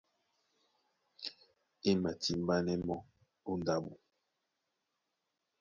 E matimbánɛ́ mɔ́ ó ndáɓo.